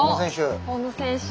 小野選手。